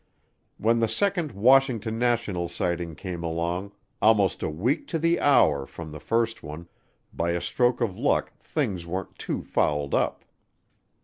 When the second Washington National Sighting came along, almost a week to the hour from the first one, by a stroke of luck things weren't too fouled up.